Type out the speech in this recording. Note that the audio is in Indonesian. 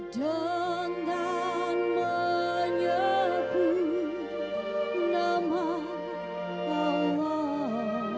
dengan menyebut nama allah